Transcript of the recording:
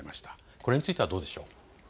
これについてはどうでしょう。